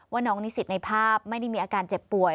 ว่าน้องนิสิตในภาพไม่ได้มีอาการเจ็บป่วย